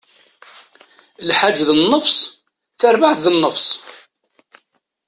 Lḥaǧ d nnefṣ, tarbaɛt d nnefṣ!